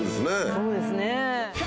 そうですね。